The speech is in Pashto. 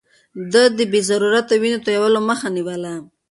ده د بې ضرورته وينې تويولو مخه نيوله.